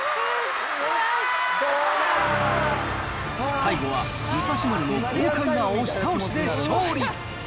最後は武蔵丸の豪快な押し倒しで勝利。